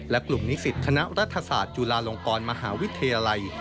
และกลุ่มนิสิตคณะรัฐศาสตร์จุฬาลงกรมหาวิทยาลัย